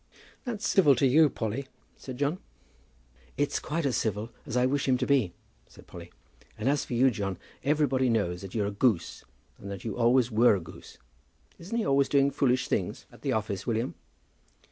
"That's civil to you, Polly," said John. "It's quite as civil as I wish him to be," said Polly. "And as for you, John, everybody knows that you're a goose, and that you always were a goose. Isn't he always doing foolish things at the office, William?"